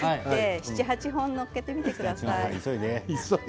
７、８本、載っけてみてください。